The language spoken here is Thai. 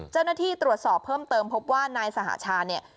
เจ้าหน้าที่ตรวจสอบเพิ่มเติมพบว่านายสหชาเนี่ย